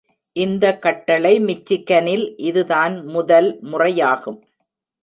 இந்த கட்டளை மிச்சிகனில் இதுதான் முதல் முறையாகும்.